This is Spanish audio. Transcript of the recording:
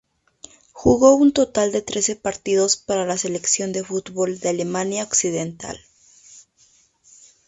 Jugó un total de trece partidos para la selección de fútbol de Alemania Occidental.